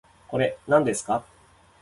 これ、なんですか